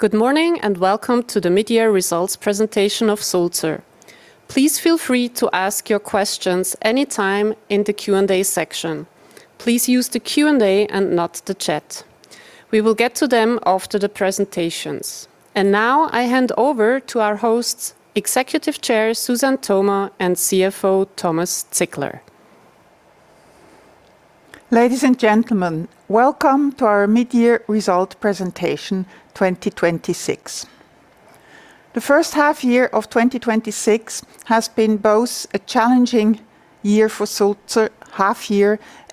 Good morning and welcome to the mid-year results presentation of Sulzer. Please feel free to ask your questions anytime in the Q&A section. Please use the Q&A and not the chat. We will get to them after the presentations. Now I hand over to our hosts, Executive Chair, Suzanne Thoma and Chief Financial Officer, Thomas Zickler. Ladies and gentlemen, welcome to our mid-year result presentation 2026. The first half year of 2026 has been both a challenging half year for Sulzer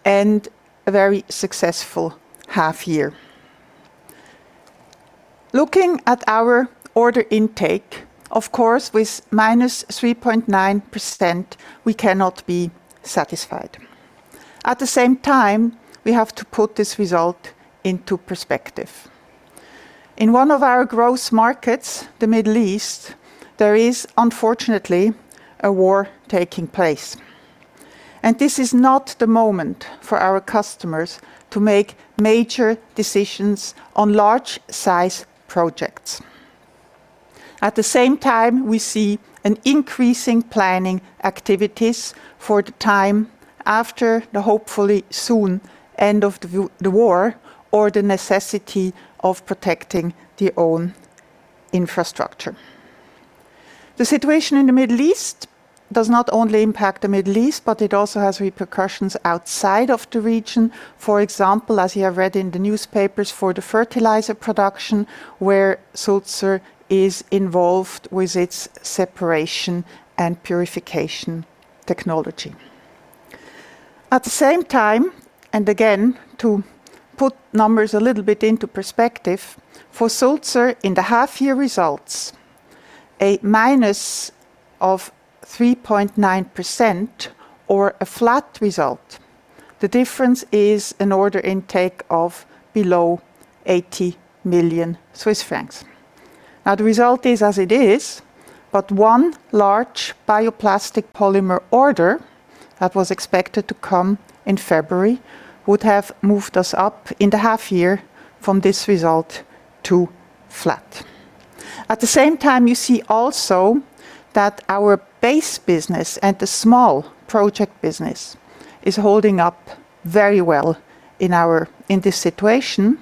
and a very successful half year. Looking at our order intake, of course, with -3.9%, we cannot be satisfied. At the same time, we have to put this result into perspective. In one of our growth markets, the Middle East, there is unfortunately a war taking place. This is not the moment for our customers to make major decisions on large size projects. At the same time, we see an increasing planning activities for the time after the hopefully soon end of the war, or the necessity of protecting the own infrastructure. The situation in the Middle East does not only impact the Middle East, but it also has repercussions outside of the region. For example, as you have read in the newspapers for the fertilizer production, where Sulzer is involved with its separation and purification technology. At the same time, and again, to put numbers a little bit into perspective, for Sulzer in the half year results, a minus of 3.9% or a flat result. The difference is an order intake of below 80 million Swiss francs. The result is as it is, but one large bioplastic polymer order that was expected to come in February would have moved us up in the half year from this result to flat. At the same time, you see also that our base business and the small project business is holding up very well in this situation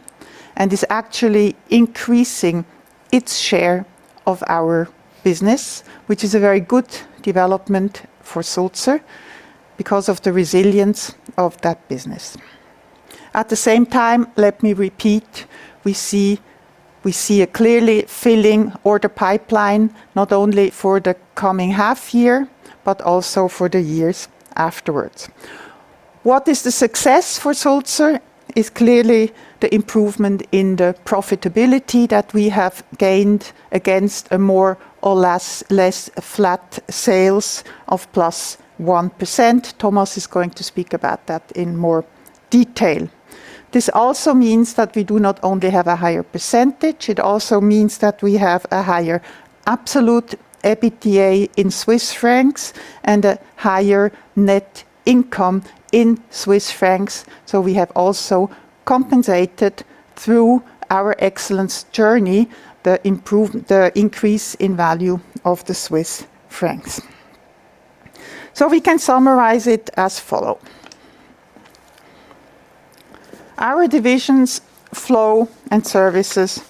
and is actually increasing its share of our business, which is a very good development for Sulzer because of the resilience of that business. Let me repeat, we see a clearly filling order pipeline, not only for the coming half year, but also for the years afterwards. What is the success for Sulzer is clearly the improvement in the profitability that we have gained against a more or less flat sales of +1%. Thomas is going to speak about that in more detail. This also means that we do not only have a higher percentage, it also means that we have a higher absolute EBITDA in Swiss francs and a higher net income in Swiss francs. We have also compensated through our excellence journey, the increase in value of the Swiss francs. We can summarize it as follow. Our divisions Flow and Services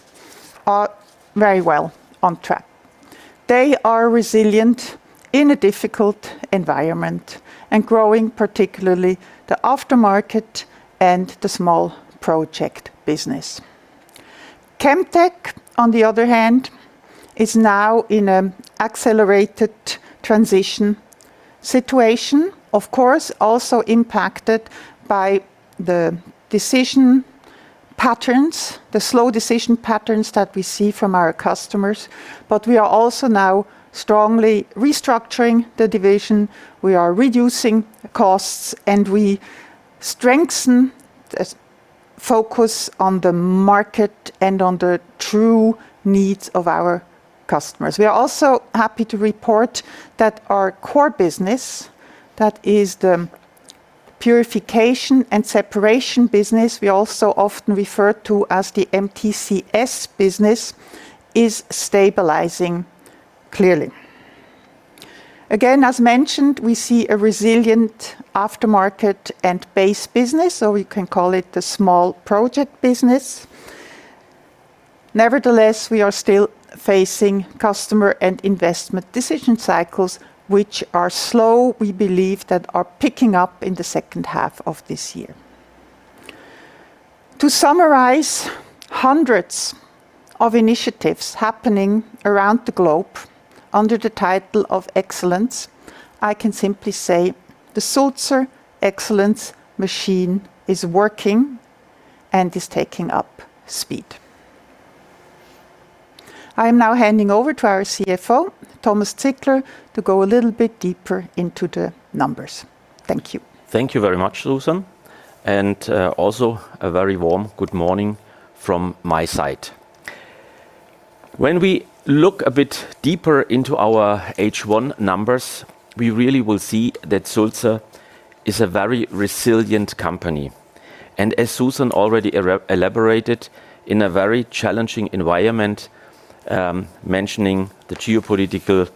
are very well on track. They are resilient in a difficult environment and growing, particularly the aftermarket and the small project business. Chemtech, on the other hand, is now in an accelerated transition situation, of course, also impacted by the slow decision patterns that we see from our customers. We are also now strongly restructuring the division. We are reducing costs, and we strengthen the focus on the market and on the true needs of our customers. We are also happy to report that our core business, that is the purification and separation business, we also often refer to as the MTCS business, is stabilizing clearly. Again, as mentioned, we see a resilient aftermarket and base business, or we can call it the small project business. Nevertheless, we are still facing customer and investment decision cycles, which are slow, we believe that are picking up in the second half of this year. To summarize hundreds of initiatives happening around the globe under the title of excellence, I can simply say the Sulzer Excellence machine is working and is taking up speed. I am now handing over to our Chief Financial Officer, Thomas Zickler, to go a little bit deeper into the numbers. Thank you. Thank you very much, Suzanne, and also a very warm good morning from my side. When we look a bit deeper into our H1 numbers, we really will see that Sulzer is a very resilient company, and as Suzanne already elaborated, in a very challenging environment, mentioning the geopolitical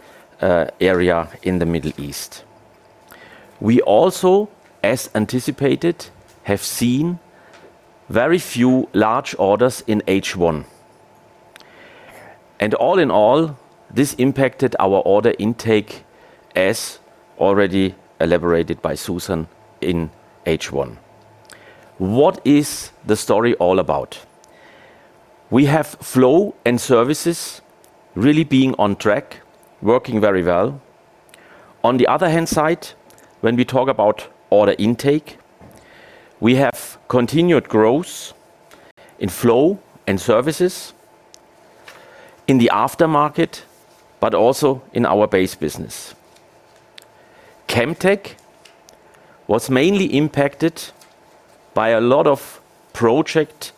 area in the Middle East. All in all, this impacted our order intake as already elaborated by Suzanne in H1. What is the story all about? We have Flow and Services really being on track, working very well. On the other hand side, when we talk about order intake, we have continued growth in Flow and Services in the aftermarket, but also in our base business. Chemtech was mainly impacted by a lot of project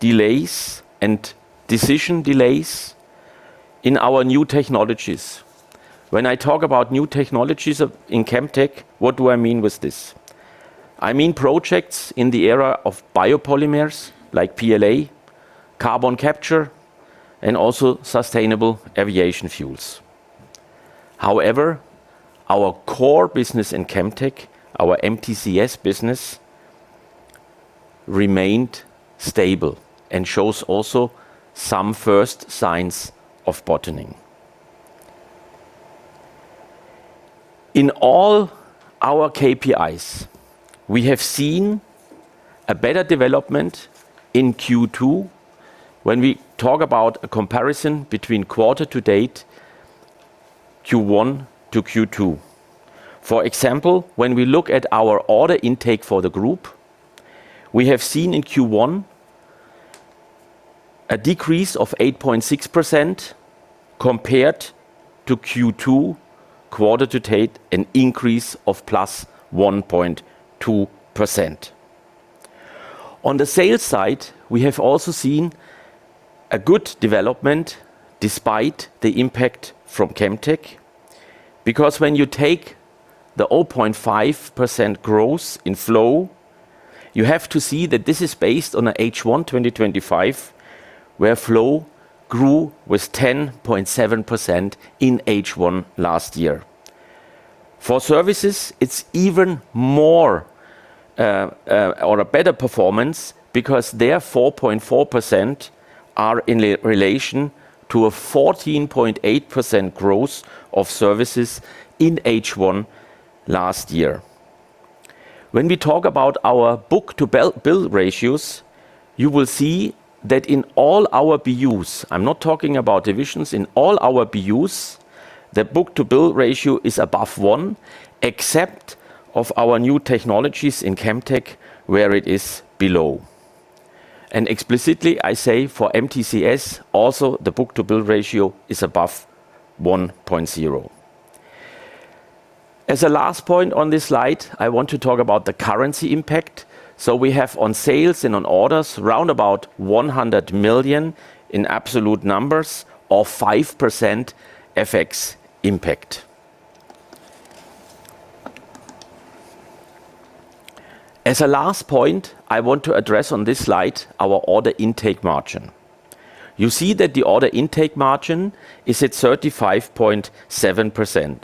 delays and decision delays in our new technologies. When I talk about new technologies in Chemtech, what do I mean with this? I mean projects in the era of biopolymers like PLA, carbon capture, and also sustainable aviation fuels. Our core business in Chemtech, our MTCS business, remained stable and shows also some first signs of bottoming. In all our KPIs, we have seen a better development in Q2 when we talk about a comparison between quarter to date, Q1-Q2. When we look at our order intake for the group, we have seen in Q1 a decrease of 8.6% compared to Q2 quarter to date, an increase of +1.2%. On the sales side, we have also seen a good development despite the impact from Chemtech, because when you take the 0.5% growth in Flow, you have to see that this is based on a H1 2025, where Flow grew with 10.7% in H1 last year. For Services, it's even more or a better performance because their 4.4% are in relation to a 14.8% growth of Services in H1 last year. When we talk about our book-to-bill ratios, you will see that in all our BUs, I'm not talking about divisions, in all our BUs, the book-to-bill ratio is above one, except of our new technologies in Chemtech, where it is below. Explicitly, I say for MTCS, also the book-to-bill ratio is above one point zero. As a last point on this slide, I want to talk about the currency impact. We have on sales and on orders, around about 100 million in absolute numbers or 5% FX impact. As a last point, I want to address on this slide our order intake margin. You see that the order intake margin is at 35.7%.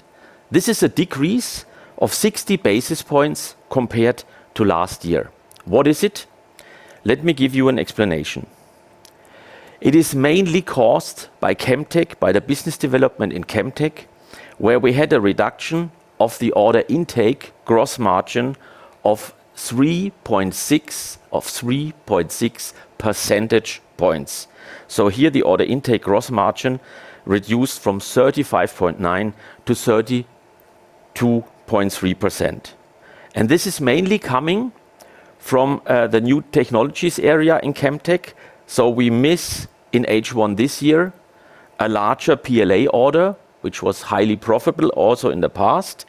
This is a decrease of 60 basis points compared to last year. What is it? Let me give you an explanation. It is mainly caused by Chemtech, by the business development in Chemtech, where we had a reduction of the order intake gross margin of 3.6 percentage points. Here the order intake gross margin reduced from 35.9%-32.3%. This is mainly coming from the new technologies area in Chemtech. We miss in H1 this year a larger PLA order, which was highly profitable also in the past.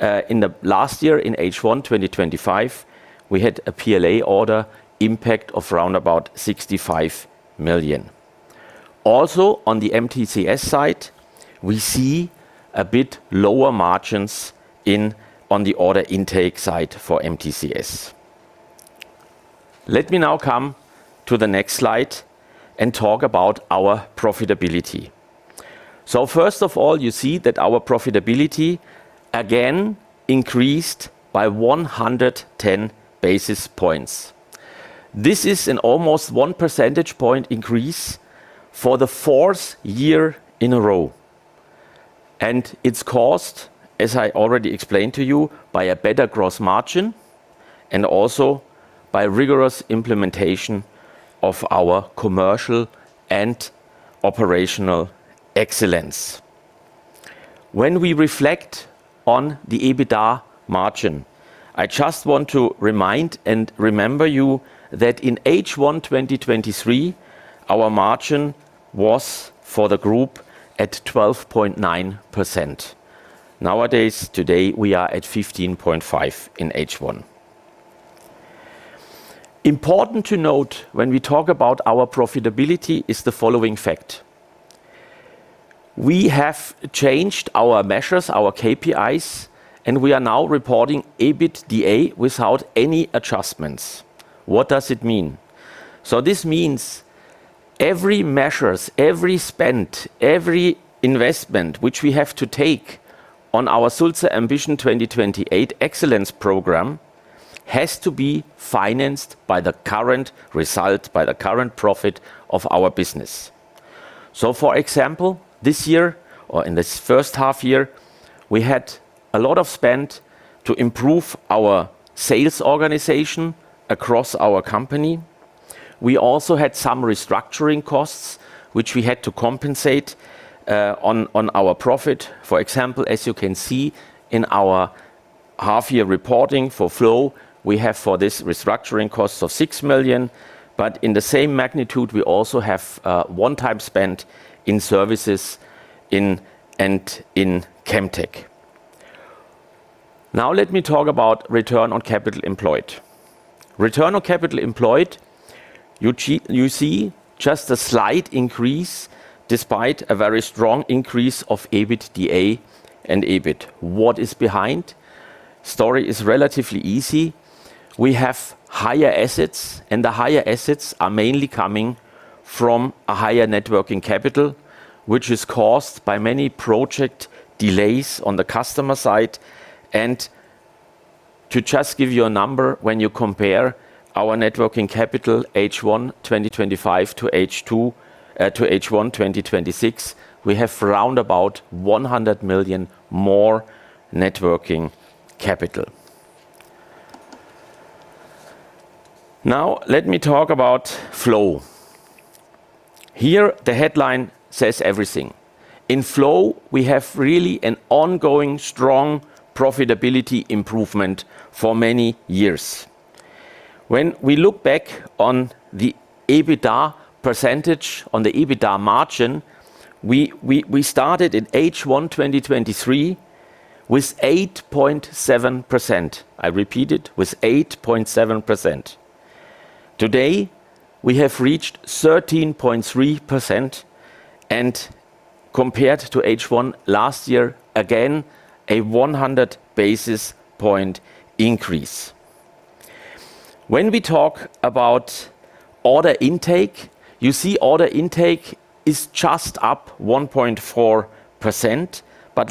In the last year, in H1 2025, we had a PLA order impact of around about 65 million. Also, on the MTCS side, we see a bit lower margins on the order intake side for MTCS. Let me now come to the next slide and talk about our profitability. First of all, you see that our profitability again increased by 110 basis points. This is an almost 1 percentage point increase for the fourth year in a row. It's caused, as I already explained to you, by a better gross margin and also by rigorous implementation of our commercial and operational excellence. When we reflect on the EBITDA margin, I just want to remind and remember you that in H1 2023, our margin was for the group at 12.9%. Nowadays, today, we are at 15.5% in H1. Important to note when we talk about our profitability is the following fact. We have changed our measures, our KPIs, and we are now reporting EBITDA without any adjustments. What does it mean? This means every measure, every spend, every investment which we have to take on our Sulzer Ambition 2028 Excellence program has to be financed by the current result, by the current profit of our business. For example, this year or in this first half year, we had a lot of spend to improve our sales organization across our company. We also had some restructuring costs which we had to compensate on our profit. For example, as you can see in our half-year reporting for Flow, we have for this restructuring costs of 6 million, but in the same magnitude, we also have one-time spend in Services and in Chemtech. Let me talk about Return on Capital Employed. Return on Capital Employed, you see just a slight increase despite a very strong increase of EBITDA and EBIT. What is behind? Story is relatively easy. We have higher assets, and the higher assets are mainly coming from a higher Net Working Capital, which is caused by many project delays on the customer side. To just give you a number, when you compare our Net Working Capital H1 2025-H1 2026, we have around about 100 million more Net Working Capital. Let me talk about Flow. Here, the headline says everything. In Flow, we have really an ongoing strong profitability improvement for many years. When we look back on the EBITDA percentage on the EBITDA margin, we started in H1 2023 with 8.7%. I repeat it, with 8.7%. Today, we have reached 13.3% and compared to H1 last year, again, a 100 basis point increase. We talk about order intake, you see order intake is just up 1.4%,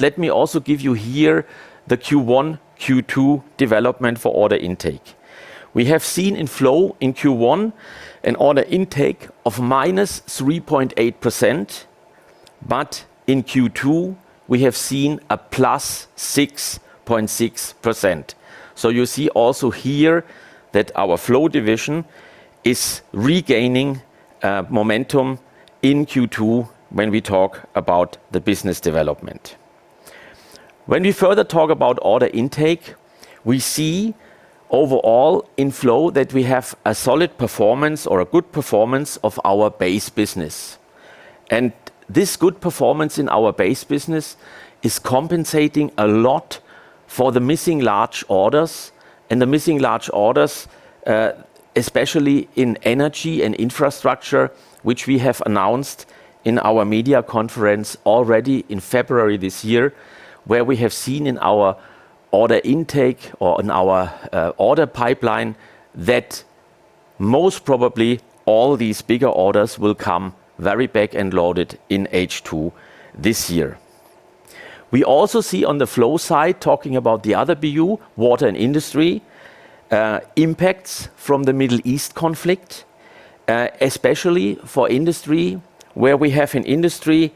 let me also give you here the Q1, Q2 development for order intake. We have seen in Flow in Q1 an order intake of -3.8%, in Q2, we have seen a +6.6%. You see also here that our Flow division is regaining momentum in Q2 we talk about the business development. We further talk about order intake, we see overall in Flow that we have a solid performance or a good performance of our base business. This good performance in our base business is compensating a lot for the missing large orders and the missing large orders, especially in Energy & Infrastructure, which we have announced in our media conference already in February this year, where we have seen in our order intake or in our order pipeline that most probably all these bigger orders will come very back-end loaded in H2 this year. We also see on the Flow side, talking about the other BU, Water & Industrial, impacts from the Middle East conflict, especially for industry, where we have in industry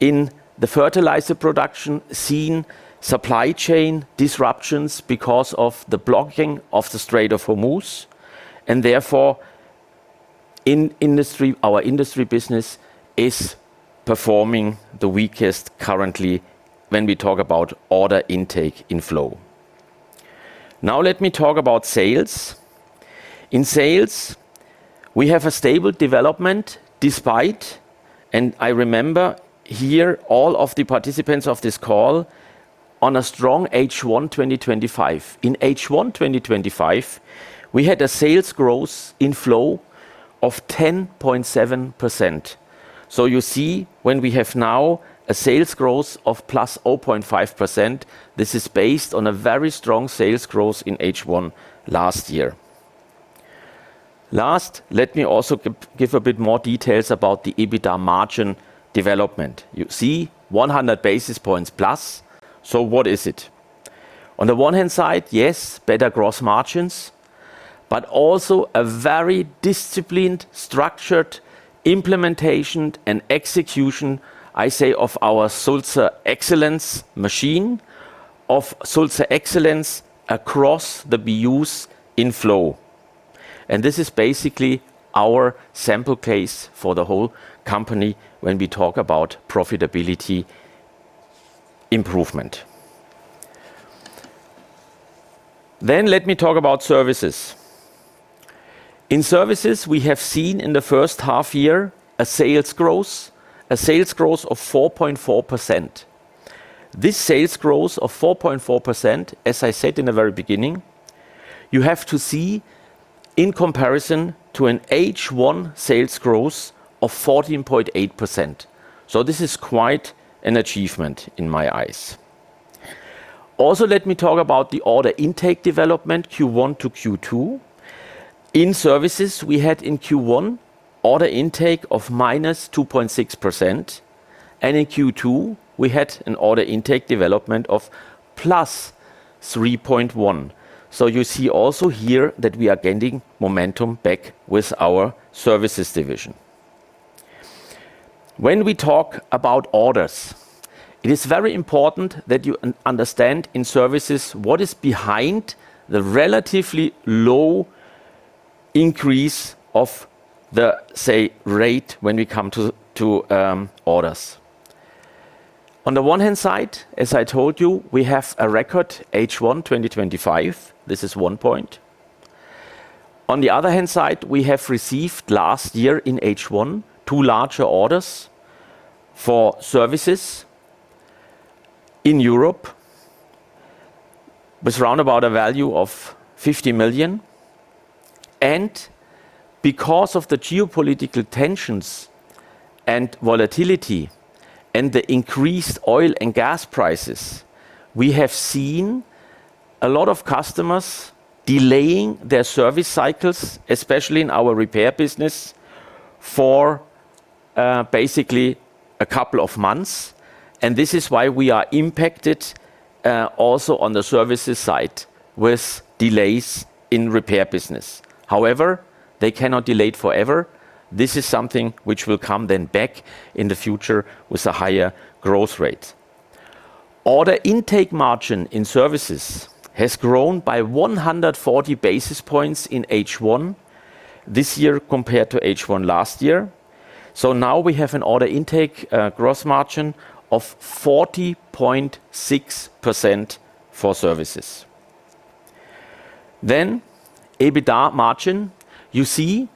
in the fertilizer production seen supply chain disruptions because of the blocking of the Strait of Hormuz and therefore our industry business is performing the weakest currently when we talk about order intake in Flow. Let me talk about sales. In sales, we have a stable development despite, I remember here all of the participants of this call on a strong H1 2025. In H1 2025, we had a sales growth in Flow of 10.7%. You see when we have now a sales growth of +0.5%, this is based on a very strong sales growth in H1 last year. Let me also give a bit more details about the EBITDA margin development. You see 100 basis points plus. What is it? On the one-hand side, yes, better gross margins, but also a very disciplined, structured implementation and execution, I say of our Sulzer Excellence machine, of Sulzer Excellence across the BUs in Flow. This is basically our sample case for the whole company when we talk about profitability improvement. Let me talk about Services. In Services, we have seen in the first half year a sales growth of 4.4%. This sales growth of 4.4%, as I said in the very beginning, you have to see in comparison to an H1 sales growth of 14.8%. This is quite an achievement in my eyes. Let me talk about the order intake development Q1-Q2. In Services, we had in Q1 order intake of -2.6%, and in Q2, we had an order intake development of +3.1%. You see also here that we are gaining momentum back with our Services division. When we talk about orders, it is very important that you understand in Services what is behind the relatively low increase of the, say, rate when we come to orders. On the one hand side, as I told you, we have a record H1 2025. This is one point. On the other hand side, we have received last year in H1 two larger orders for Services in Europe with round about a value of 50 million. Because of the geopolitical tensions and volatility and the increased oil and gas prices, we have seen a lot of customers delaying their service cycles, especially in our repair business, for basically a couple of months. This is why we are impacted, also on the Services side, with delays in repair business. However, they cannot delay it forever. This is something which will come back in the future with a higher growth rate. Order intake margin in Services has grown by 140 basis points in H1 this year compared to H1 last year. Now we have an order intake gross margin of 40.6% for Services. EBITDA margin, you see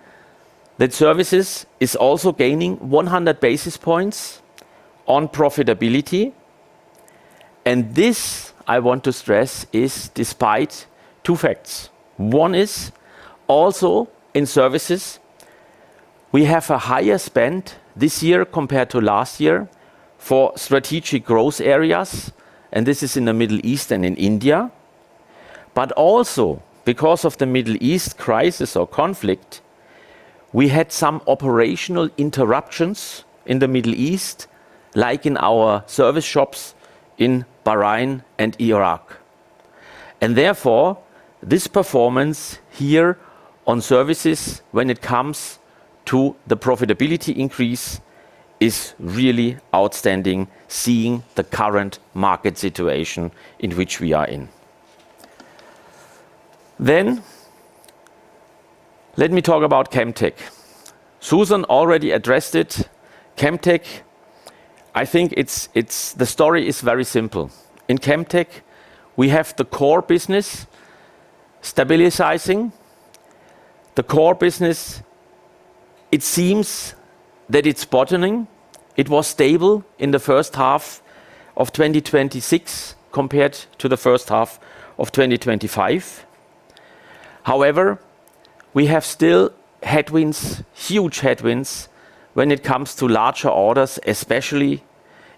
that Services is also gaining 100 basis points on profitability. This, I want to stress, is despite two facts. One is also in Services, we have a higher spend this year compared to last year for strategic growth areas, and this is in the Middle East and in India. Also because of the Middle East crisis or conflict, we had some operational interruptions in the Middle East, like in our service shops in Bahrain and Iraq. Therefore, this performance here on Services when it comes to the profitability increase is really outstanding, seeing the current market situation in which we are in. Let me talk about Chemtech. Suzanne already addressed it. Chemtech, I think the story is very simple. In Chemtech, we have the core business stabilizing. The core business, it seems that it's bottoming. It was stable in the first half of 2026 compared to the first half of 2025. However, we have still headwinds, huge headwinds, when it comes to larger orders, especially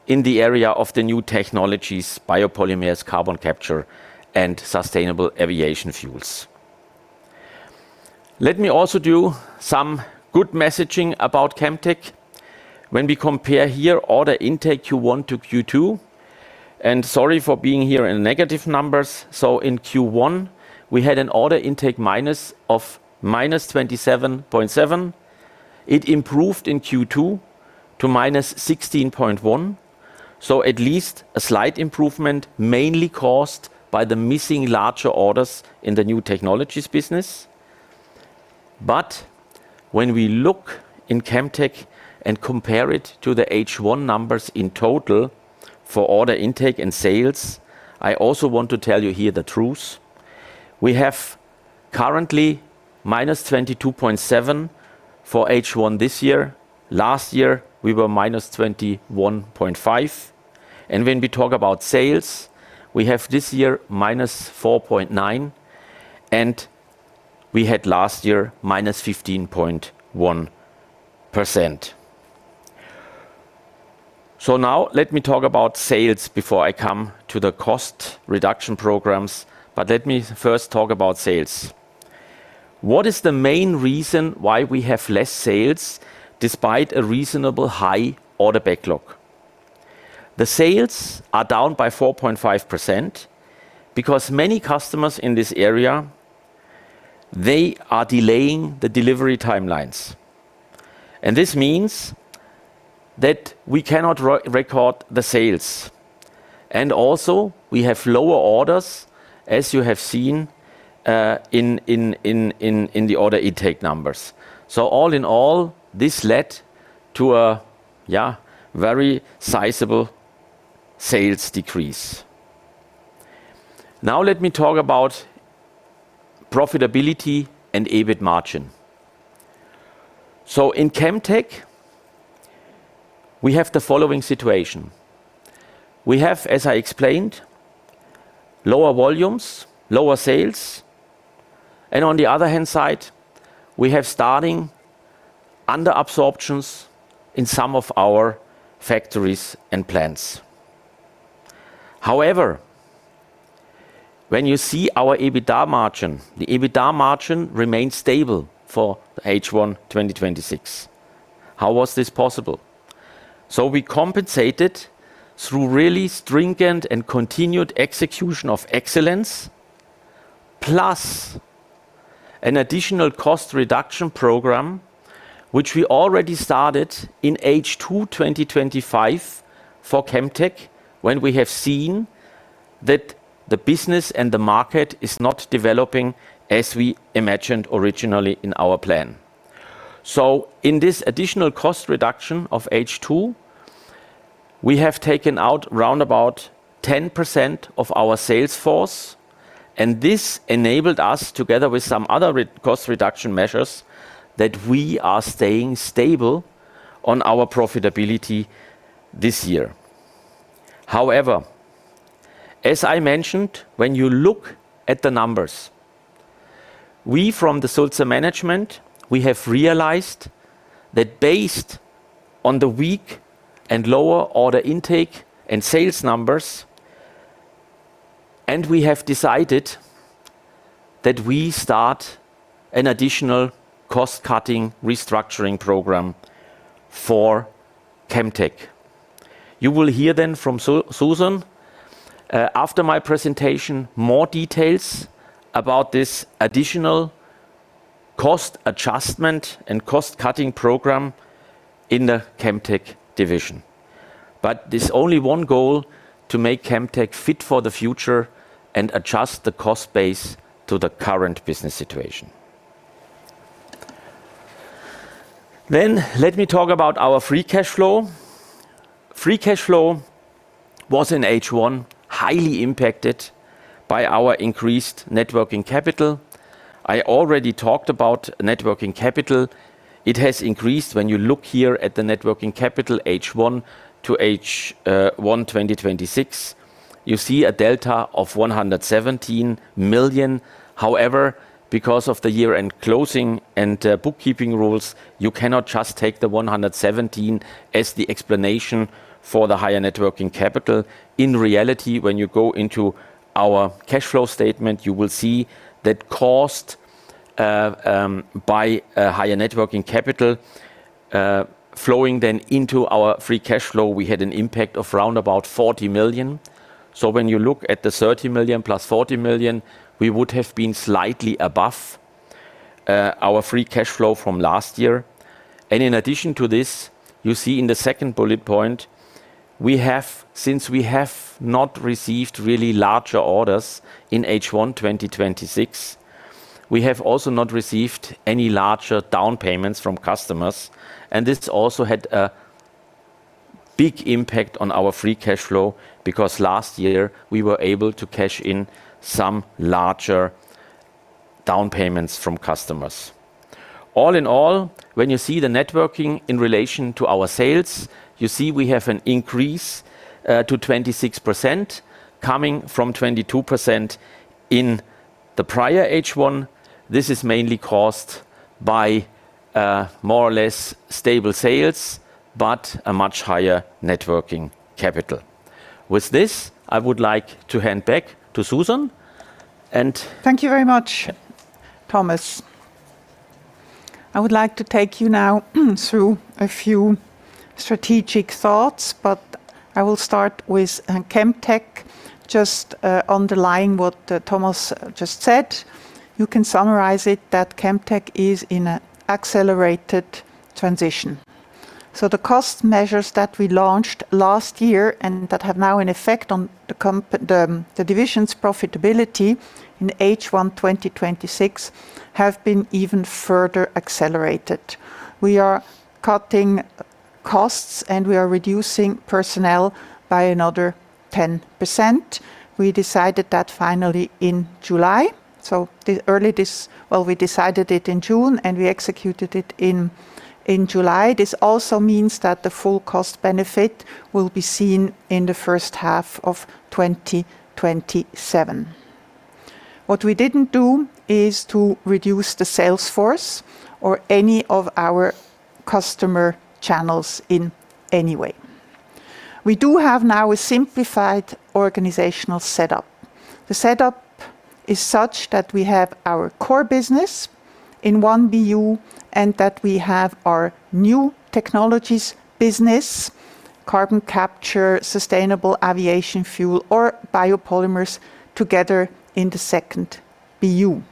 in the area of the new technologies, biopolymers, carbon capture, and sustainable aviation fuels. Let me also do some good messaging about Chemtech. When we compare here order intake Q1-Q2, and sorry for being here in negative numbers. In Q1, we had an order intake -27.7%. It improved in Q2 to -16.1%, at least a slight improvement, mainly caused by the missing larger orders in the new technologies business. When we look in Chemtech and compare it to the H1 numbers in total for order intake and sales, I also want to tell you here the truth. We have currently -22.7% for H1 this year. Last year, we were -21.5%. When we talk about sales, we have this year -4.9%, and we had last year -15.1%. Now let me talk about sales before I come to the cost reduction programs. Let me first talk about sales. What is the main reason why we have less sales despite a reasonable high order backlog? The sales are down by 4.5% because many customers in this area, they are delaying the delivery timelines. This means that we cannot record the sales. Also, we have lower orders, as you have seen, in the order intake numbers. All in all, this led to a very sizable sales decrease. Let me talk about profitability and EBIT margin. In Chemtech, we have the following situation. We have, as I explained, lower volumes, lower sales, and on the other hand side, we have starting under absorptions in some of our factories and plants. However, when you see our EBITDA margin, the EBITDA margin remains stable for H1 2026. How was this possible? We compensated through really stringent and continued execution of excellence, plus an additional cost reduction program, which we already started in H2 2025 for Chemtech, when we have seen that the business and the market is not developing as we imagined originally in our plan. In this additional cost reduction of H2, we have taken out round about 10% of our sales force, and this enabled us, together with some other cost reduction measures, that we are staying stable on our profitability this year. However, as I mentioned, when you look at the numbers, we from the Sulzer management, we have realized that based on the weak and lower order intake and sales numbers, we have decided that we start an additional cost-cutting restructuring program for Chemtech. You will hear then from Suzanne, after my presentation, more details about this additional cost adjustment and cost-cutting program in the Chemtech division. There's only one goal, to make Chemtech fit for the future and adjust the cost base to the current business situation. Let me talk about our free cash flow. Free cash flow was in H1, highly impacted by our increased net working capital. I already talked about net working capital. It has increased when you look here at the net working capital H1 to H1 2026. You see a delta of 117 million. However, because of the year-end closing and bookkeeping rules, you cannot just take the 117 as the explanation for the higher net working capital. In reality, when you go into our cash flow statement, you will see that cost by higher net working capital flowing then into our free cash flow, we had an impact of round about 40 million. When you look at the 30 million plus 40 million, we would have been slightly above our free cash flow from last year. In addition to this, you see in the second bullet point, since we have not received really larger orders in H1 2026, we have also not received any larger down payments from customers. This also had a big impact on our free cash flow, because last year we were able to cash in some larger down payments from customers. All in all, when you see the net working in relation to our sales, you see we have an increase to 26% coming from 22% in the prior H1. This is mainly caused by more or less stable sales, but a much higher net working capital. With this, I would like to hand back to Suzanne. Thank you very much, Thomas. I would like to take you now through a few strategic thoughts, but I will start with Chemtech, just underlying what Thomas just said. You can summarize it that Chemtech is in a accelerated transition. The cost measures that we launched last year and that have now in effect on the division's profitability in H1 2026 have been even further accelerated. We are cutting costs, and we are reducing personnel by another 10%. We decided that finally in July. Well, we decided it in June, and we executed it in July. This also means that the full cost benefit will be seen in the first half of 2027. What we didn't do is to reduce the sales force or any of our customer channels in any way. We do have now a simplified organizational setup. The setup is such that we have our core business in one BU and that we have our new technologies business, carbon capture, sustainable aviation fuel, or biopolymers together in the two BU.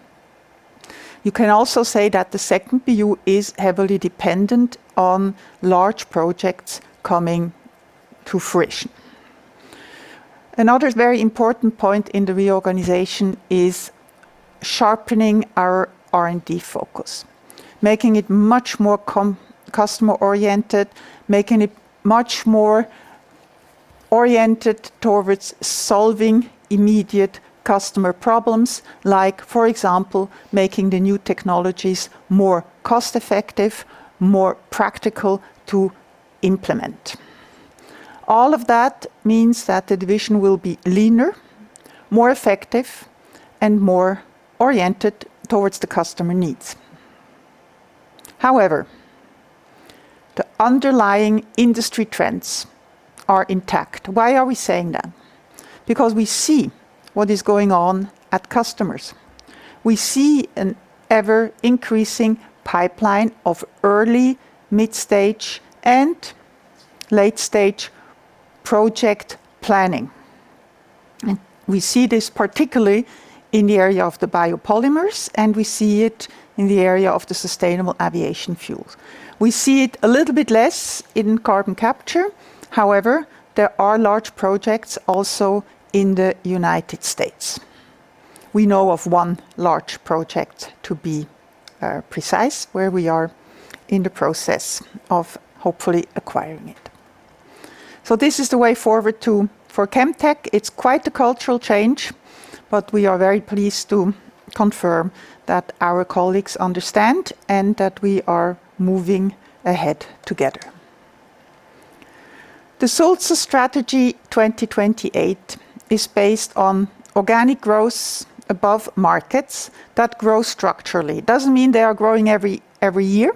You can also say that the second BU is heavily dependent on large projects coming to fruition. Another very important point in the reorganization is sharpening our R&D focus, making it much more customer-oriented, making it much more oriented towards solving immediate customer problems like, for example, making the new technologies more cost-effective, more practical to implement. All of that means that the division will be leaner, more effective, and more oriented towards the customer needs. However, the underlying industry trends are intact. Why are we saying that? Because we see what is going on at customers. We see an ever-increasing pipeline of early, mid-stage, and late-stage project planning. We see this particularly in the area of the biopolymers, and we see it in the area of the sustainable aviation fuels. We see it a little bit less in carbon capture. However, there are large projects also in the United States. We know of one large project, to be precise, where we are in the process of hopefully acquiring it. This is the way forward for Chemtech. It's quite a cultural change, but we are very pleased to confirm that our colleagues understand and that we are moving ahead together. The Sulzer 2028 strategy is based on organic growth above markets that grow structurally. Doesn't mean they are growing every year,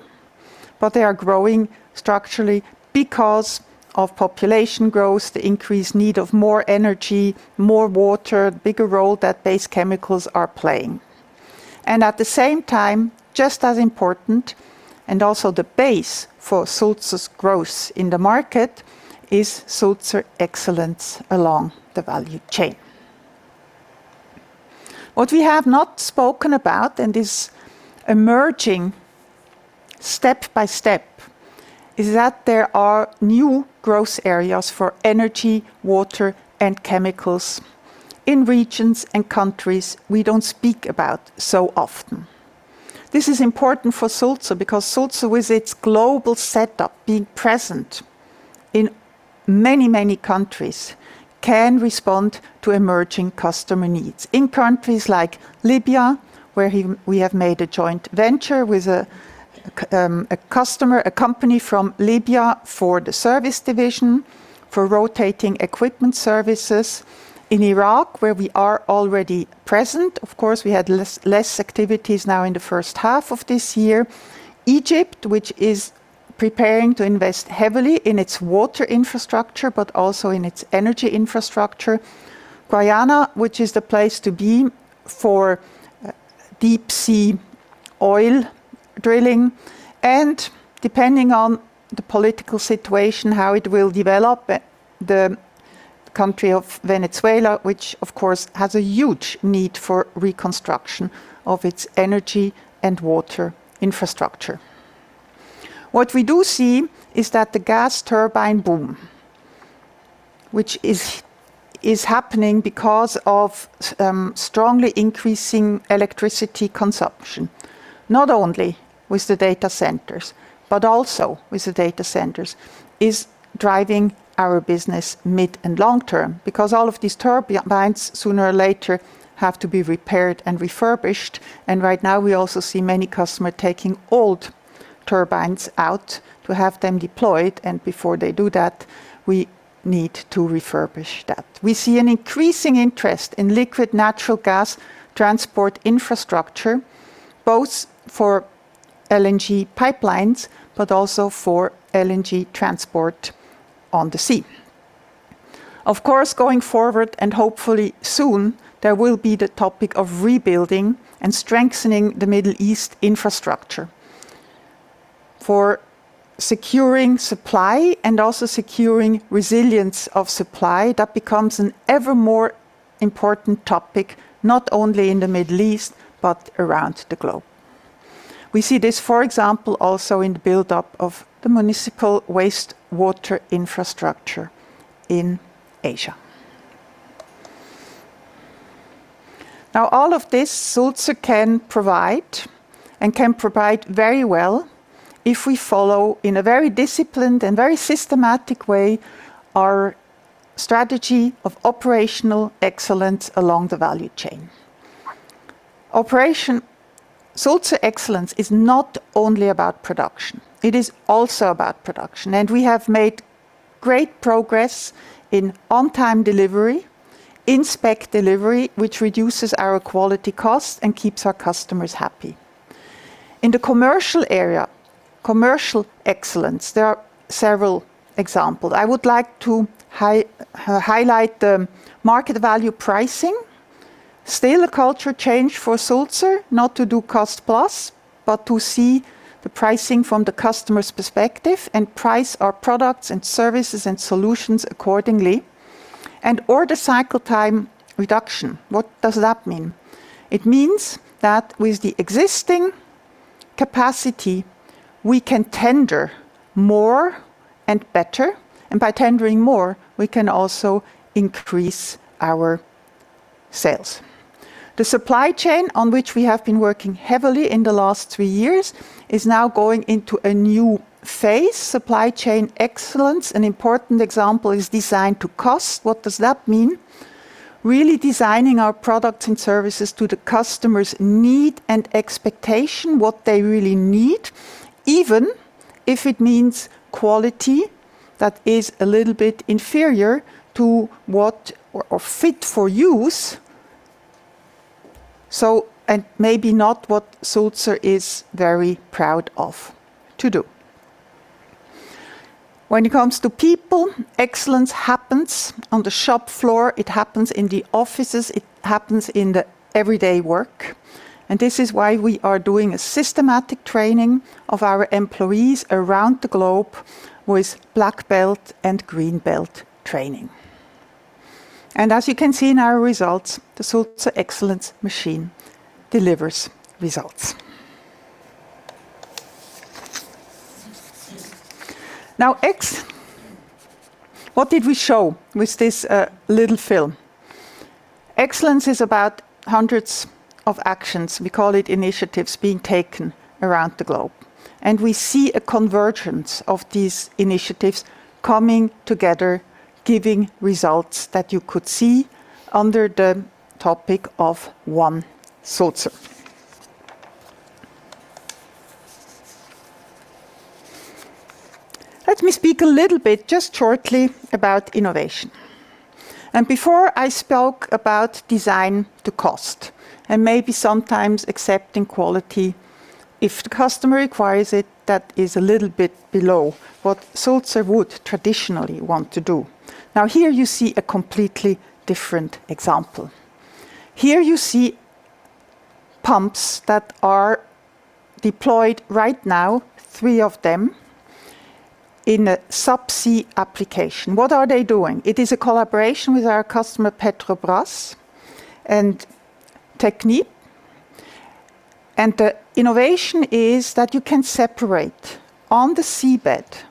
but they are growing structurally because of population growth, the increased need of more energy, more water, bigger role that base chemicals are playing. At the same time, just as important and also the base for Sulzer's growth in the market, is Sulzer Excellence along the value chain. What we have not spoken about and is emerging step by step is that there are new growth areas for energy, water, and chemicals in regions and countries we don't speak about so often. This is important for Sulzer because Sulzer, with its global setup, being present in many countries, can respond to emerging customer needs. In countries like Libya, where we have made a joint venture with a company from Libya for the Services Division for rotating equipment services. In Iraq, where we are already present. Of course, we had less activities now in the first half of this year. Egypt, which is preparing to invest heavily in its water infrastructure, but also in its energy infrastructure. Guyana, which is the place to be for deep sea oil drilling, depending on the political situation, how it will develop, the country of Venezuela, which of course, has a huge need for reconstruction of its energy and water infrastructure. We do see is that the gas turbine boom, which is happening because of strongly increasing electricity consumption, not only with the data centers, but also with the data centers, is driving our business mid and long term. Because all of these turbines, sooner or later, have to be repaired and refurbished. Right now, we also see many customer taking old turbines out to have them deployed. Before they do that, we need to refurbish that. We see an increasing interest in liquid natural gas transport infrastructure, both for LNG pipelines, but also for LNG transport on the sea. Of course, going forward and hopefully soon, there will be the topic of rebuilding and strengthening the Middle East infrastructure for securing supply and also securing resilience of supply. That becomes an ever more important topic, not only in the Middle East, but around the globe. We see this, for example, also in the buildup of the municipal wastewater infrastructure in Asia. Now, all of this Sulzer can provide and can provide very well if we follow in a very disciplined and very systematic way our strategy of operational excellence along the value chain. Sulzer Excellence is not only about production, it is also about production. We have made great progress in on-time delivery, in spec delivery, which reduces our quality cost and keeps our customers happy. In the commercial area, commercial excellence, there are several examples. I would like to highlight the market value pricing. Still a culture change for Sulzer, not to do cost-plus, but to see the pricing from the customer's perspective and price our products and services and solutions accordingly. Order cycle time reduction. What does that mean? It means that with the existing capacity, we can tender more and better, by tendering more, we can also increase our sales. The supply chain on which we have been working heavily in the last three years is now going into a new phase, supply chain excellence. An important example is Design-to-Cost. What does that mean? Really designing our products and services to the customer's need and expectation, what they really need, even if it means quality that is a little bit inferior or fit for use, and maybe not what Sulzer is very proud of to do. When it comes to people, excellence happens on the shop floor, it happens in the offices, it happens in the everyday work. This is why we are doing a systematic training of our employees around the globe with Black Belt and Green Belt training. As you can see in our results, the Sulzer Excellence machine delivers results. What did we show with this little film? Excellence is about hundreds of actions, we call it initiatives, being taken around the globe. We see a convergence of these initiatives coming together, giving results that you could see under the topic of One Sulzer. Let me speak a little bit, just shortly, about innovation. Before I spoke about Design-to-Cost, and maybe sometimes accepting quality if the customer requires it, that is a little bit below what Sulzer would traditionally want to do. Here you see a completely different example. Here you see pumps that are deployed right now, three of them, in a subsea application. What are they doing? It is a collaboration with our customer, Petrobras and Technip. The innovation is that you can separate on the seabed,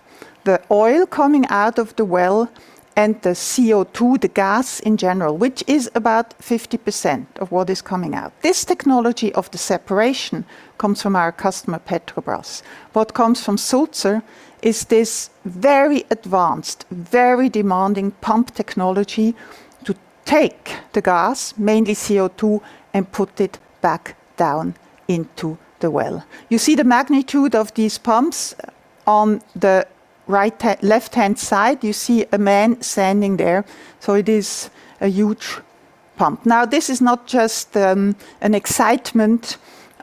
the oil coming out of the well and the CO2, the gas in general, which is about 50% of what is coming out. This technology of the separation comes from our customer, Petrobras. What comes from Sulzer is this very advanced, very demanding pump technology to take the gas, mainly CO2, and put it back down into the well. You see the magnitude of these pumps on the left-hand side, you see a man standing there. It is a huge pump. This is not just an excitement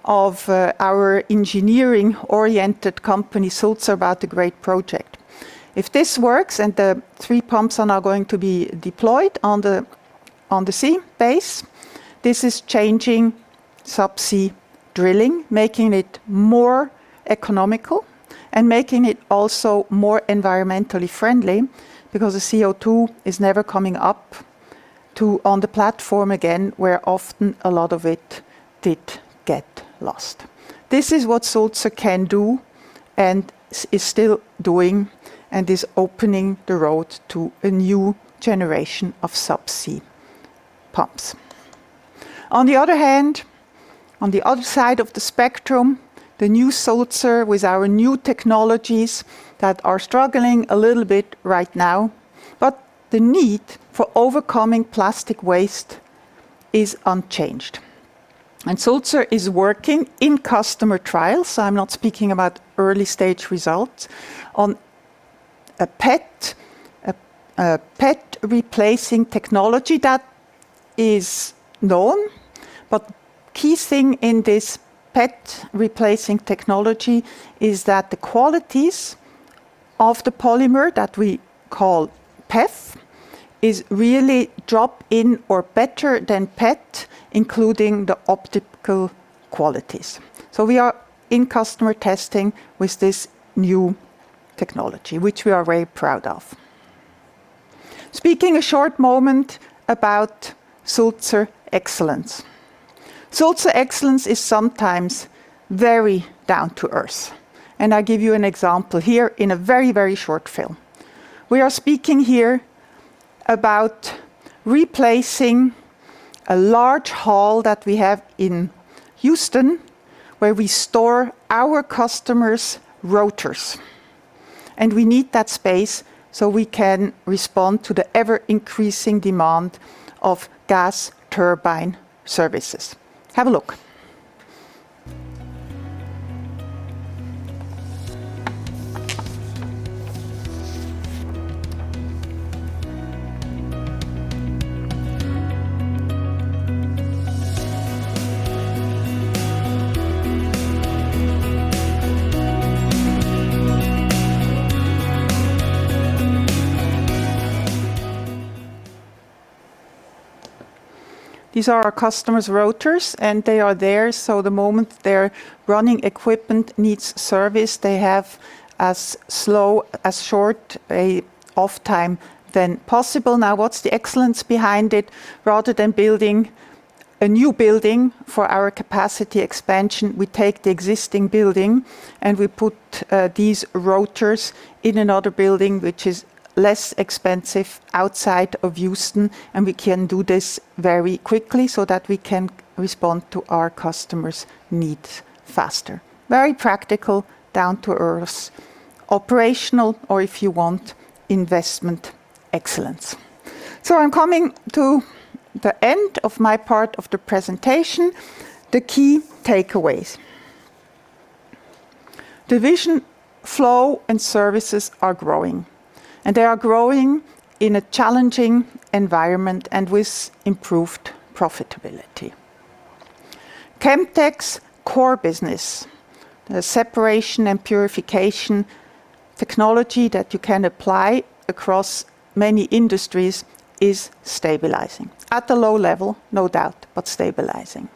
of our engineering-oriented company, Sulzer, about the great project. If this works, and the three pumps are now going to be deployed on the sea base, this is changing subsea drilling, making it more economical and making it also more environmentally friendly because the CO2 is never coming up on the platform again, where often a lot of it did get lost. This is what Sulzer can do and is still doing and is opening the road to a new generation of subsea pumps. On the other side of the spectrum, the new Sulzer with our new technologies that are struggling a little bit right now, but the need for overcoming plastic waste is unchanged. Sulzer is working in customer trials, I'm not speaking about early-stage results, on a PET-replacing technology that is known. Key thing in this PET-replacing technology is that the qualities of the polymer that we call PET is really drop-in or better than PET, including the optical qualities. We are in customer testing with this new technology, which we are very proud of. Speaking a short moment about Sulzer Excellence. Sulzer Excellence is sometimes very down to earth, and I give you an example here in a very short film. We are speaking here about replacing a large hall that we have in Houston where we store our customers' rotors. We need that space so we can respond to the ever-increasing demand of gas turbine services. Have a look. These are our customers' rotors, and they are there so the moment their running equipment needs service, they have as short a off time then possible. What's the excellence behind it? Rather than building a new building for our capacity expansion. We take the existing building and we put these rotors in another building, which is less expensive outside of Houston, and we can do this very quickly so that we can respond to our customers' needs faster. Very practical, down-to-earth, operational, or if you want, investment excellence. I'm coming to the end of my part of the presentation. The key takeaways. Division Flow and Services are growing, and they are growing in a challenging environment and with improved profitability. Chemtech's core business, the separation and purification technology that you can apply across many industries, is stabilizing. At a low level, no doubt, but stabilizing.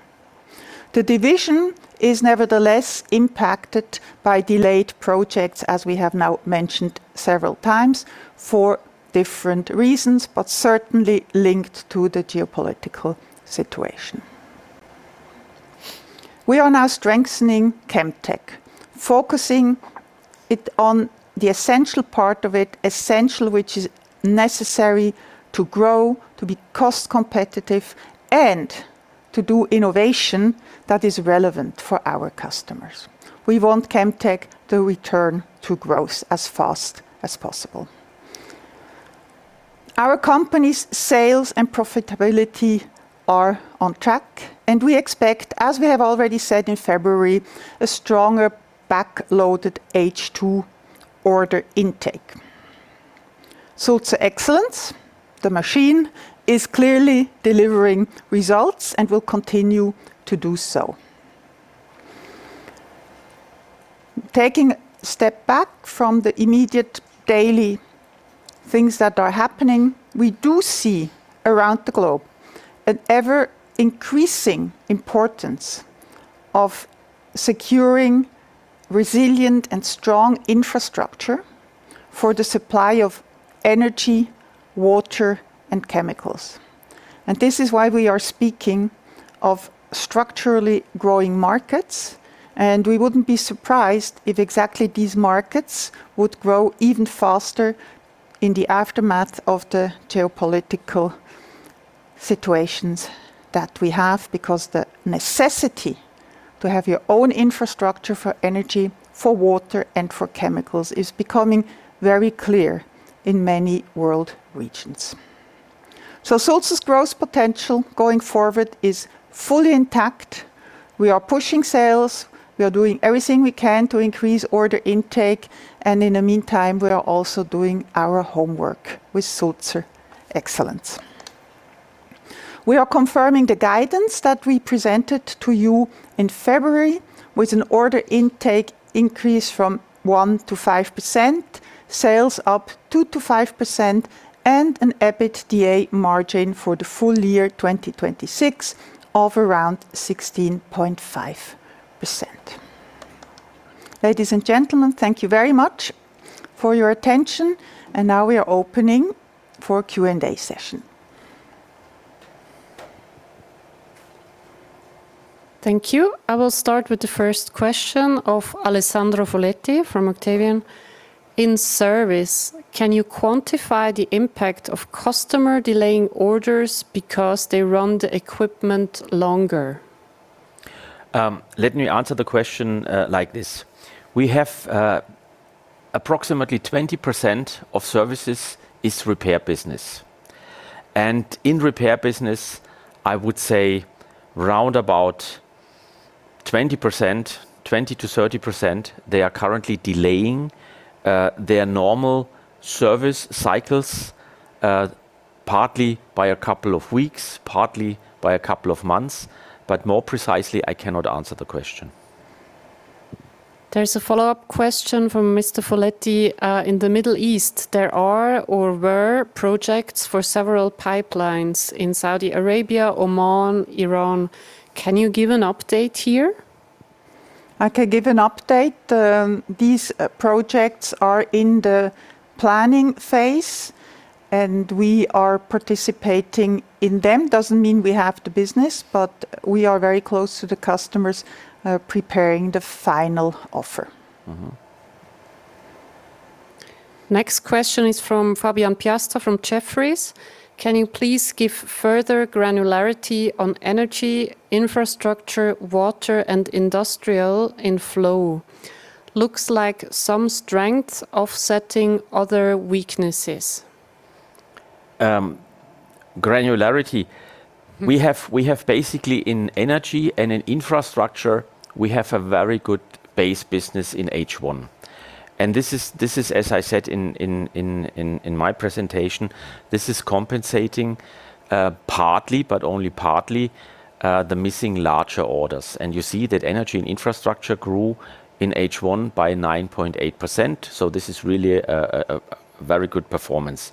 The division is nevertheless impacted by delayed projects, as we have now mentioned several times, for different reasons, but certainly linked to the geopolitical situation. We are now strengthening Chemtech, focusing it on the essential part of it, essential, which is necessary to grow, to be cost competitive, and to do innovation that is relevant for our customers. We want Chemtech to return to growth as fast as possible. Our company's sales and profitability are on track, and we expect, as we have already said in February, a stronger back-loaded H2 order intake. Sulzer Excellence, the machine, is clearly delivering results and will continue to do so. Taking a step back from the immediate daily things that are happening, we do see around the globe an ever-increasing importance of securing resilient and strong infrastructure for the supply of energy, water, and chemicals. This is why we are speaking of structurally growing markets, and we wouldn't be surprised if exactly these markets would grow even faster in the aftermath of the geopolitical situations that we have, because the necessity to have your own infrastructure for energy, for water, and for chemicals is becoming very clear in many world regions. Sulzer's growth potential going forward is fully intact. We are pushing sales. We are doing everything we can to increase order intake, and in the meantime, we are also doing our homework with Sulzer Excellence. We are confirming the guidance that we presented to you in February with an order intake increase from 1%-5%, sales up 2%-5%, and an EBITDA margin for the full year 2026 of around 16.5%. Ladies and gentlemen, thank you very much for your attention, and now we are opening for Q&A session. Thank you. I will start with the first question of Alessandro Foletti from Octavian. In service, can you quantify the impact of customer delaying orders because they run the equipment longer? Let me answer the question like this. We have approximately 20% of Services is repair business. In repair business, I would say 20%-30%, they are currently delaying their normal service cycles, partly by a couple of weeks, partly by a couple of months. More precisely, I cannot answer the question. There's a follow-up question from Mr. Foletti. In the Middle East, there are or were projects for several pipelines in Saudi Arabia, Oman, Iran. Can you give an update here? I can give an update. These projects are in the planning phase, and we are participating in them. Doesn't mean we have the business, but we are very close to the customers, preparing the final offer. Next question is from Fabian Piasta from Jefferies. Can you please give further granularity on Energy & Infrastructure, Water & Industrial in Flow? Looks like some strengths offsetting other weaknesses. Granularity. We have basically in Energy and in Infrastructure, we have a very good base business in H1. This is, as I said in my presentation, this is compensating partly, but only partly, the missing larger orders. You see that Energy and Infrastructure grew in H1 by 9.8%, so this is really a very good performance.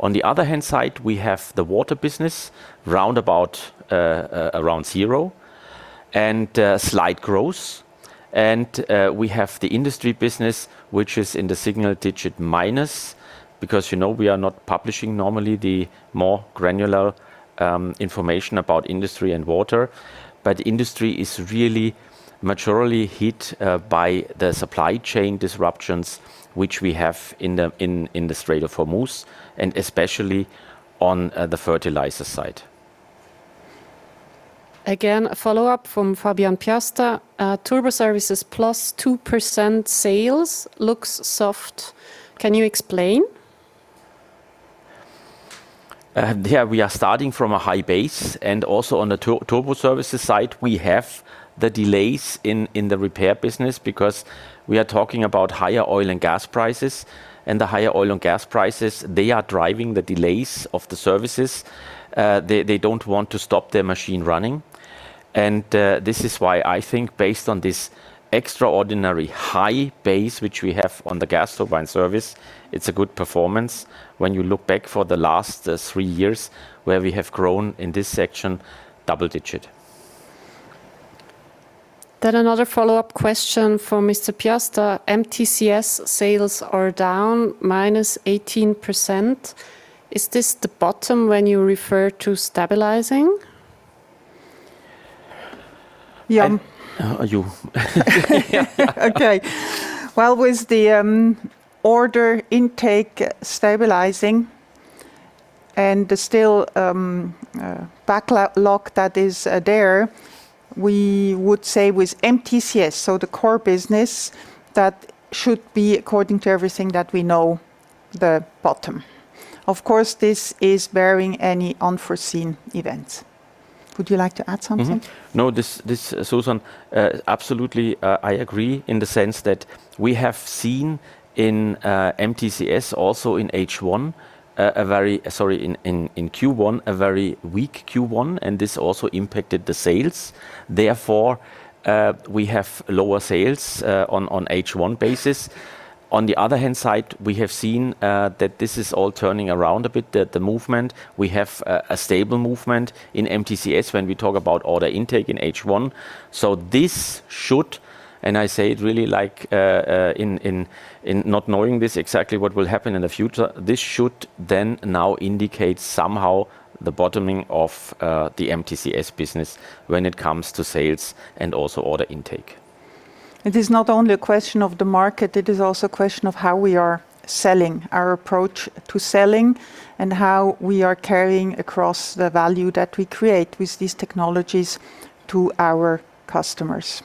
On the other hand side, we have the Water business round about around zero. Slight growth. We have the Industrial business, which is in the single-digit minus because we are not publishing normally the more granular information about industry and water. Industry is really maturely hit by the supply chain disruptions which we have in the Strait of Hormuz, and especially on the fertilizer side. A follow-up from Fabian Piasta. Turbo services + 2% sales looks soft. Can you explain? We are starting from a high base and also on the turbo services side, we have the delays in the repair business because we are talking about higher oil and gas prices, and the higher oil and gas prices, they are driving the delays of the services. They don't want to stop their machine running. This is why I think based on this extraordinary high base, which we have on the gas turbine service, it's a good performance when you look back for the last three years where we have grown in this section double-digit. Another follow-up question for Mr. Piasta. MTCS sales are down -18%. Is this the bottom when you refer to stabilizing? Yeah. You. Okay. Well, with the order intake stabilizing and the still backlog that is there, we would say with MTCS, so the core business, that should be according to everything that we know the bottom. Of course, this is barring any unforeseen events. Would you like to add something? No, Suzanne, absolutely, I agree in the sense that we have seen in MTCS also in H1 a very weak Q1, and this also impacted the sales. We have lower sales on H1 basis. On the other hand side, we have seen that this is all turning around a bit, the movement. We have a stable movement in MTCS when we talk about order intake in H1. This should, and I say it really like in not knowing this exactly what will happen in the future, this should then now indicate somehow the bottoming of the MTCS business when it comes to sales and also order intake. It is not only a question of the market, it is also a question of how we are selling, our approach to selling, and how we are carrying across the value that we create with these technologies to our customers.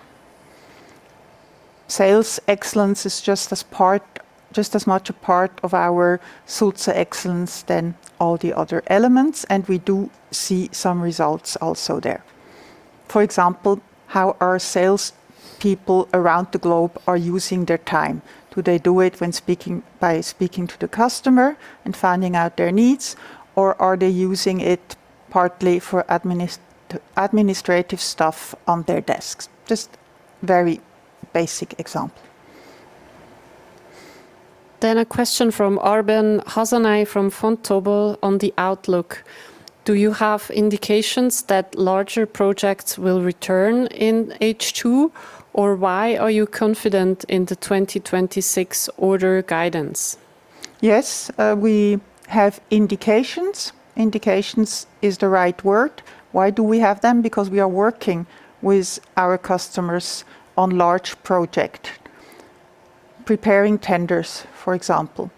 Sales excellence is just as much a part of our Sulzer Excellence than all the other elements. We do see some results also there. For example, how our sales people around the globe are using their time. Do they do it by speaking to the customer and finding out their needs, or are they using it partly for administrative stuff on their desks? Just very basic example. A question from Arben Hasanaj from Vontobel on the outlook. Do you have indications that larger projects will return in H2, or why are you confident in the 2026 order guidance? Yes, we have indications. Indications is the right word. Why do we have them? Because we are working with our customers on large project, preparing tenders, for example.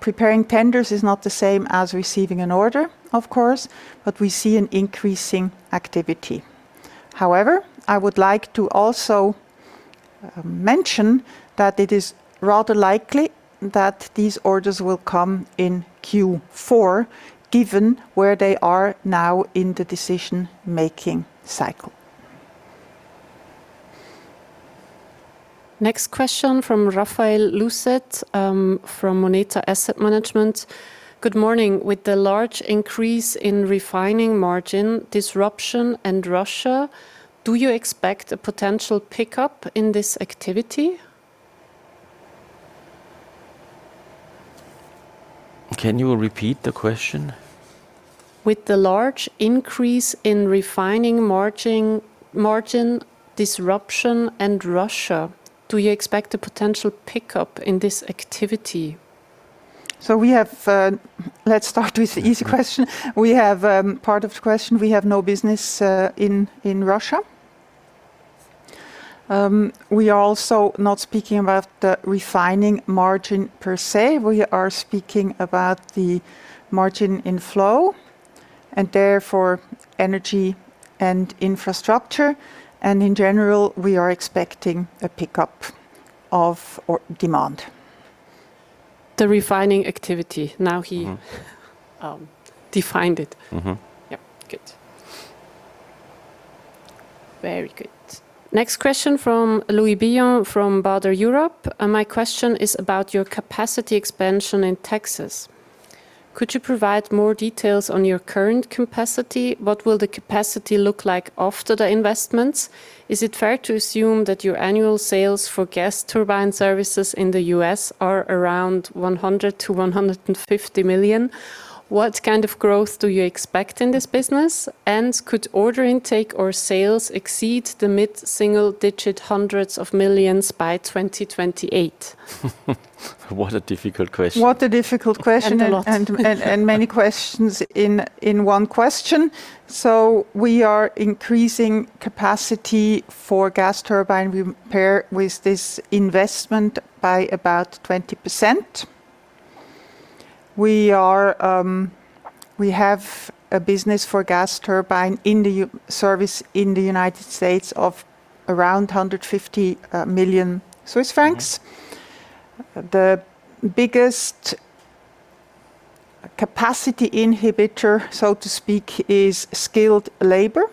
Preparing tenders is not the same as receiving an order, of course, but we see an increasing activity. However, I would like to also mention that it is rather likely that these orders will come in Q4, given where they are now in the decision-making cycle. Next question from Raphaël Lucet, from Moneta Asset Management. Good morning. With the large increase in refining margin disruption and Russia, do you expect a potential pickup in this activity? Can you repeat the question? With the large increase in refining margin disruption and Russia, do you expect a potential pickup in this activity? Let's start with the easy question. Part of the question, we have no business in Russia. We are also not speaking about the refining margin per se. We are speaking about the margin in Flow and therefore Energy & Infrastructure. In general, we are expecting a pickup of demand. The refining activity. He defined it. Yep. Good. Very good. Next question from Louis Billon from Baader Europe. My question is about your capacity expansion in Texas. Could you provide more details on your current capacity? What will the capacity look like after the investments? Is it fair to assume that your annual sales for gas turbine services in the U.S. are around 100 million-150 million? What kind of growth do you expect in this business? Could order intake or sales exceed the mid-single-digit hundreds of millions by 2028? What a difficult question. What a difficult question. A lot. Many questions in one question. We are increasing capacity for gas turbine. We pair with this investment by about 20%. We have a business for gas turbine service in the U.S. of around 150 million Swiss francs. The biggest capacity inhibitor, so to speak, is skilled labor,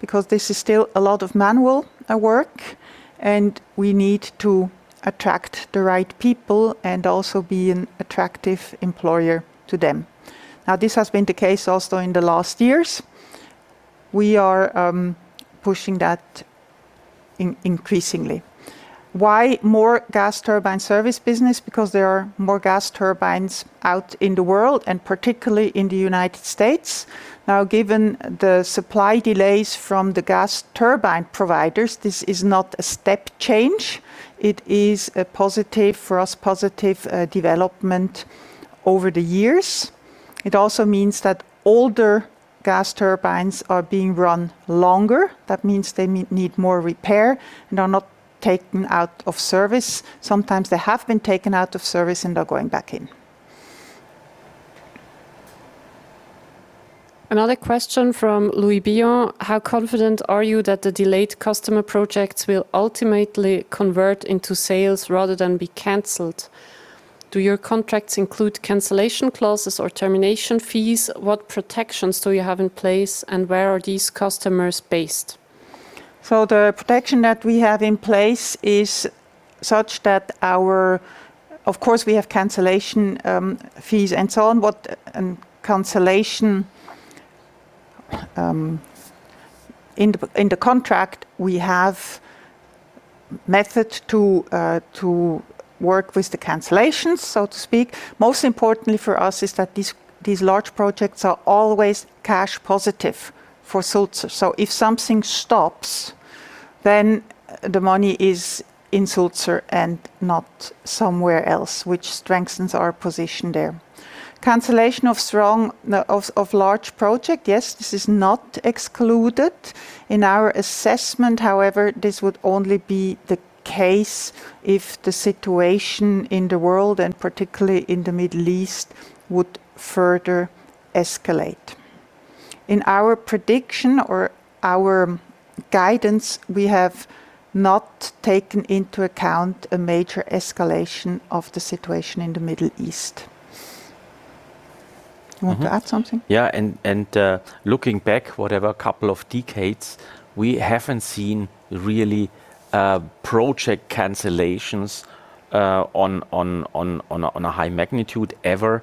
because this is still a lot of manual work, and we need to attract the right people and also be an attractive employer to them. Now, this has been the case also in the last years. We are pushing that increasingly. Why more gas turbine service business? There are more gas turbines out in the world, and particularly in the U.S. Now, given the supply delays from the gas turbine providers, this is not a step change. It is, for us, a positive development over the years. It also means that older gas turbines are being run longer. That means they need more repair and are not taken out of service. Sometimes they have been taken out of service, and they're going back in. Another question from Louis Billon. How confident are you that the delayed customer projects will ultimately convert into sales rather than be canceled? Do your contracts include cancellation clauses or termination fees? What protections do you have in place, and where are these customers based? The protection that we have in place is such that, of course, we have cancellation fees and so on, and cancellation in the contract. We have methods to work with the cancellations, so to speak. Most importantly for us is that these large projects are always cash positive for Sulzer. If something stops, then the money is in Sulzer and not somewhere else, which strengthens our position there. Cancellation of large project, yes, this is not excluded. In our assessment, however, this would only be the case if the situation in the world, and particularly in the Middle East, would further escalate. In our prediction or our guidance, we have not taken into account a major escalation of the situation in the Middle East. You want to add something? Yeah. Looking back whatever couple of decades, we haven't seen really project cancellations on a high magnitude ever.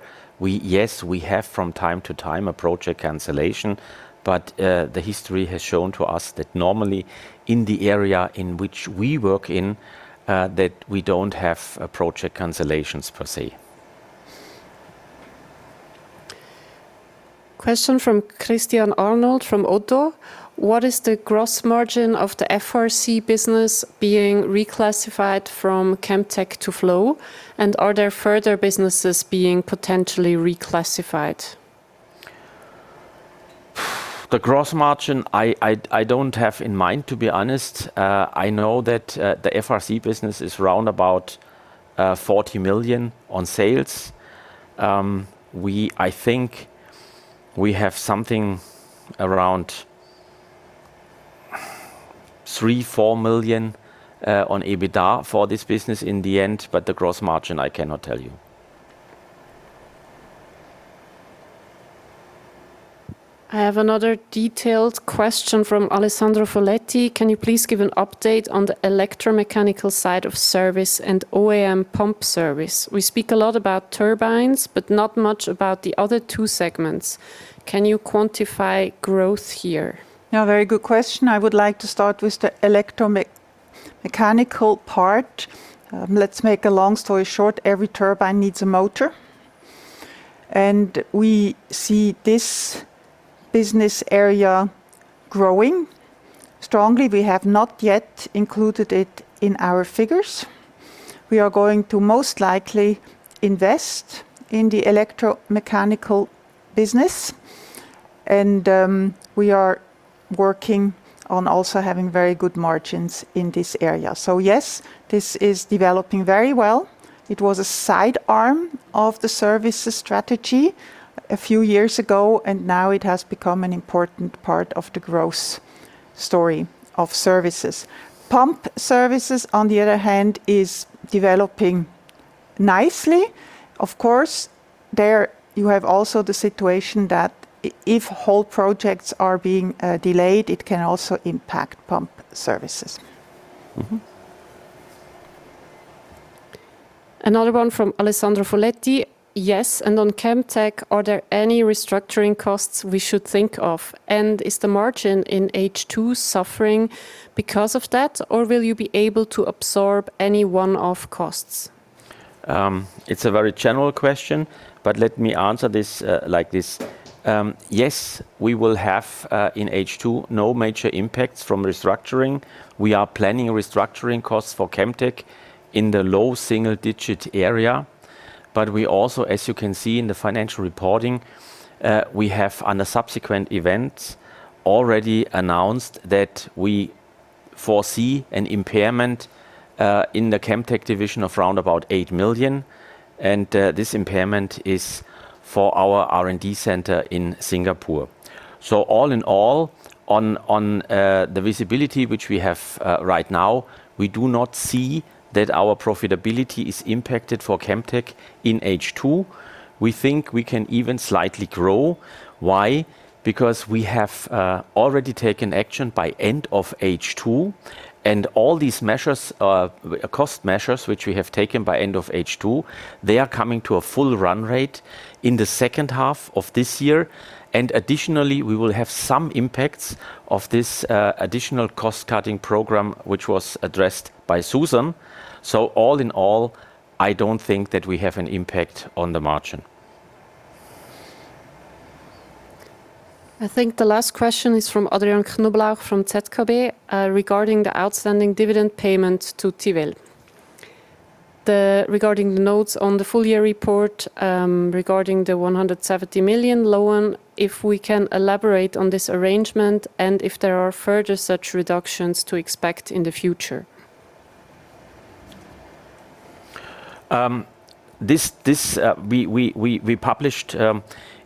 Yes, we have from time to time a project cancellation, the history has shown to us that normally in the area in which we work in, that we don't have project cancellations per se. Question from Christian Arnold from ODDO. What is the gross margin of the FRC business being reclassified from Chemtech to Flow? Are there further businesses being potentially reclassified? The gross margin I don't have in mind, to be honest. I know that the FRC business is around about 40 million on sales. I think we have something around 3 million, 4 million on EBITDA for this business in the end. The gross margin, I cannot tell you. I have another detailed question from Alessandro Foletti. Can you please give an update on the electromechanical side of Services and OEM pump service? We speak a lot about turbines, not much about the other two segments. Can you quantify growth here? Very good question. I would like to start with the electromechanical part. Let's make a long story short. Every turbine needs a motor. We see this business area growing strongly. We have not yet included it in our figures. We are going to most likely invest in the electromechanical business, we are working on also having very good margins in this area. Yes, this is developing very well. It was a side arm of the Services strategy a few years ago, and now it has become an important part of the growth story of Services. Pump Services, on the other hand, is developing nicely. Of course, there you have also the situation that if whole projects are being delayed, it can also impact Pump Services. Another one from Alessandro Foletti. Yes, on Chemtech, are there any restructuring costs we should think of? Is the margin in H2 suffering because of that, or will you be able to absorb any one-off costs? It's a very general question, but let me answer this like this. Yes, we will have, in H2, no major impacts from restructuring. We are planning restructuring costs for Chemtech in the low single-digit area. We also, as you can see in the financial reporting, we have, under subsequent events, already announced that we foresee an impairment in the Chemtech division of around about 8 million. This impairment is for our R&D center in Singapore. All in all, on the visibility which we have right now, we do not see that our profitability is impacted for Chemtech in H2. We think we can even slightly grow. Why? Because we have already taken action by end of H2 and all these cost measures, which we have taken by end of H2, they are coming to a full run rate in the second half of this year. Additionally, we will have some impacts of this additional cost-cutting program, which was addressed by Suzanne. All in all, I don't think that we have an impact on the margin. I think the last question is from Adrian Knoblauch from ZKB regarding the outstanding dividend payment to TIHL. Regarding the notes on the full year report, regarding the 170 million loan, if we can elaborate on this arrangement and if there are further such reductions to expect in the future. We published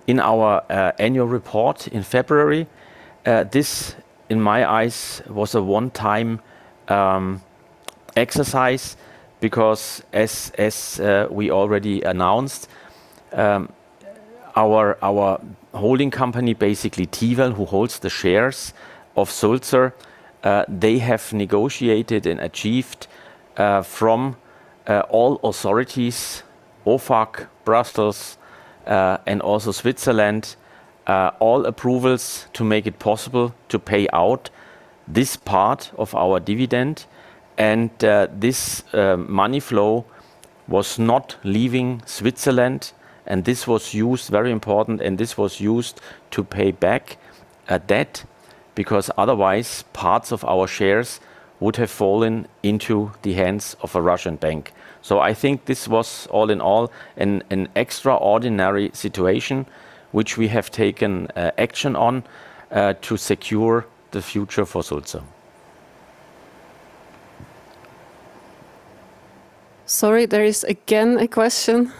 in our annual report in February. This, in my eyes, was a one-time exercise because as we already announced, our holding company, basically TIHL, who holds the shares of Sulzer, they have negotiated and achieved from all authorities, OFAC, Brussels, and also Switzerland, all approvals to make it possible to pay out this part of our dividend. This money flow was not leaving Switzerland, and this was used, very important, and this was used to pay back a debt, because otherwise parts of our shares would have fallen into the hands of a Russian bank. I think this was, all in all, an extraordinary situation, which we have taken action on to secure the future for Sulzer. Sorry, there is again a question,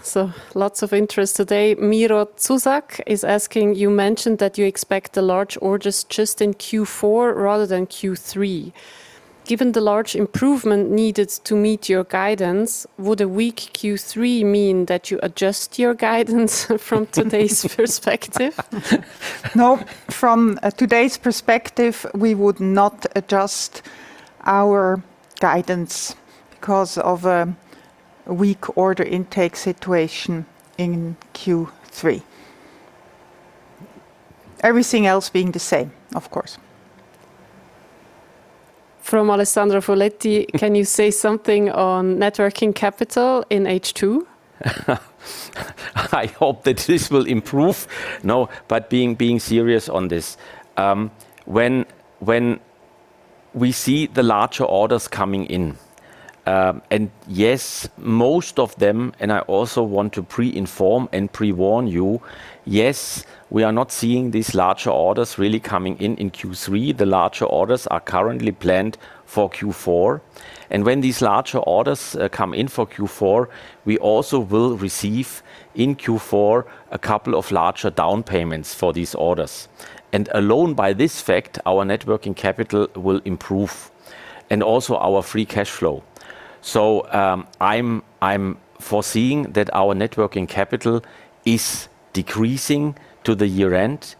lots of interest today. Miro Čucak is asking, you mentioned that you expect the large orders just in Q4 rather than Q3. Given the large improvement needed to meet your guidance, would a weak Q3 mean that you adjust your guidance from today's perspective? No. From today's perspective, we would not adjust our guidance because of a weak order intake situation in Q3. Everything else being the same, of course. From Alessandro Foletti, can you say something on net working capital in H2? I hope that this will improve. No, being serious on this. When we see the larger orders coming in, yes, most of them, I also want to pre-inform and pre-warn you, yes, we are not seeing these larger orders really coming in in Q3. The larger orders are currently planned for Q4. When these larger orders come in for Q4, we also will receive in Q4 a couple of larger down payments for these orders. Alone by this fact, our net working capital will improve. Also our free cash flow. I'm foreseeing that our net working capital is decreasing to the year-end,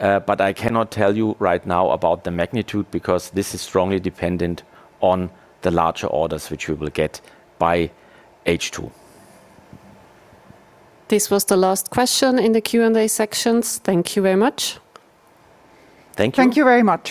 I cannot tell you right now about the magnitude because this is strongly dependent on the larger orders which we will get by H2. This was the last question in the Q&A sections. Thank you very much. Thank you. Thank you very much.